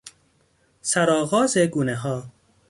سرآغاز گونهها